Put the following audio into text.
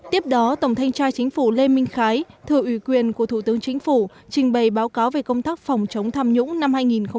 tiếp đó tổng thanh tra chính phủ lê minh khái thờ ủy quyền của thủ tướng chính phủ trình bày báo cáo về công tác phòng chống tham nhũng năm hai nghìn một mươi chín